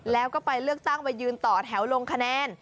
แล้วก็ไปเลือกตั้งไปยืนต่อแถวลงคะแนน